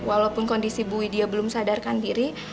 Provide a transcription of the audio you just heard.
walaupun kondisi bu widia belum sadarkan diri